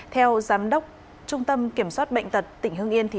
theo giám đốc trung tâm kiểm soát bệnh tật tỉnh hưng yên